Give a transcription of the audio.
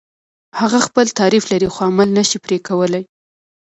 هغه خپل تعریف لري خو عمل نشي پرې کولای.